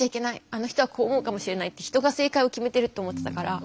「あの人はこう思うかもしれない」って人が正解を決めてるって思ってたから。